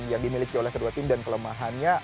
yang dimiliki oleh kedua tim dan kelemahannya